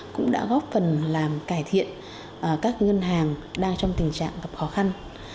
cũng đã góp phần làm cải thiện các ngân hàng đang trong tình trạng gặp khó khăn